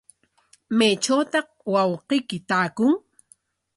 ¿Maytrawtaq wawqiyki taakun?